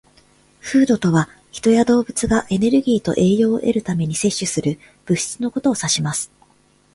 "Food" とは、人や動物がエネルギーと栄養を得るために摂取する物質のことを指します。